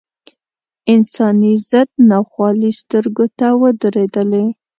انساني ضد ناخوالې سترګو ته ودرېدلې.